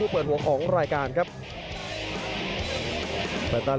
มันกำเท่าที่เขาซ้ายมันกำเท่าที่เขาซ้าย